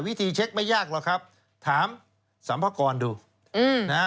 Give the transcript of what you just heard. วิธีเช็คไม่ยากหรอกครับถามสัมภากรดูอืมนะฮะ